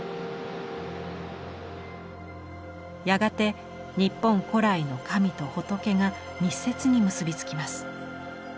やがて日本古来の神と仏が密接に結び付きます。